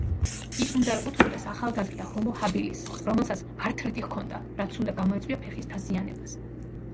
ის უნდა ეკუთვნოდეს ახალგაზრდა ჰომო ჰაბილისს, რომელსაც ართრიტი ჰქონდა, რაც უნდა გამოეწვია ფეხის დაზიანებას.